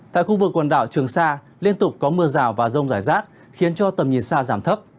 tại khu vực quần đảo trường sa liên tục có mưa rào và rông rải rác khiến cho tầm nhìn xa giảm thấp